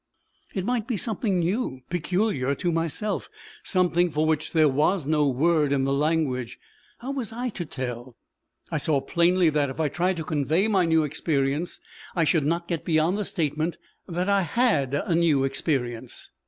It might be something new, peculiar to myself; something for which there was no word in the language! How was I to tell? I saw plainly that, if I tried to convey my new experience, I should not get beyond the statement that I had a new experience.